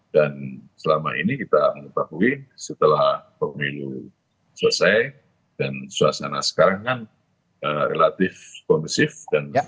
dan selama ini kita mengetahui setelah pemilu selesai dan suasana sekarang kan relatif komisif dan berubah